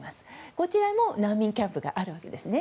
こちらも難民キャンプがあるんです。